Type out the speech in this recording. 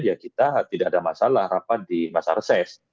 ya kita tidak ada masalah rapat di masa reses